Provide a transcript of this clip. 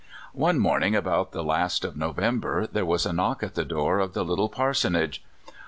One morning about the last of November there was a knock at the door of the little parsonage.